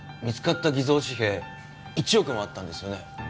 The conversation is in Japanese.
見つかった偽造紙幣１億もあったんですよね？